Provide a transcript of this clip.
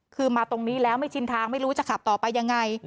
คือมาตรงนี้แล้วไม่ชินทางไม่รู้จะขับต่อไปยังไง